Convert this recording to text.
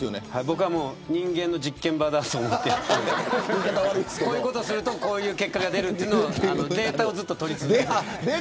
僕は人間の実験場と思っていてこういうことをするとこういう結果が出るというデータをずっと取り続けている。